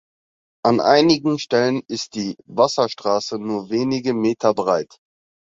An einigen Stellen ist die Wasserstraße nur wenige Meter breit.